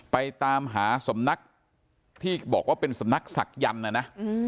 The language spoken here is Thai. ไปตามหาสำนักที่บอกว่าเป็นสำนักศักยันต์นะนะ